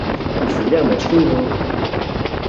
Il fogliame è scuro.